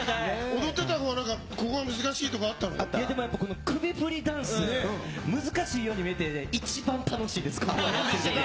踊ってたのは、ここが難しいやっぱり首振りダンスね、難しいように見えてね、一番楽しいです、ここが。